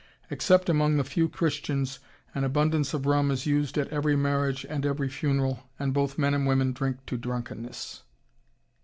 Except among the few Christians, an abundance of rum is used at every marriage and every funeral and both men and women drink to drunkenness....